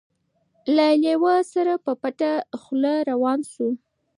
له لېوه سره په پټه خوله روان سو